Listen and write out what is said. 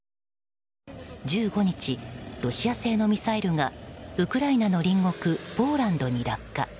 １５日、ロシア製のミサイルがウクライナの隣国ポーランドに落下。